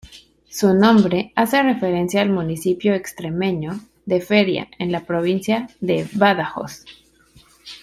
Su nombre hace referencia al municipio extremeño de Feria, en la provincia de Badajoz.